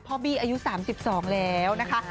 บี้อายุ๓๒แล้วนะคะ